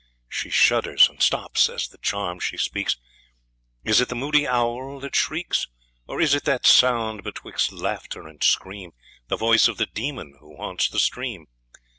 She shudders and stops as the charm she speaks; Is it the moody owl that shrieks? Or is it that sound, betwixt laughter and scream, The voice of the Demon who haunts the stream?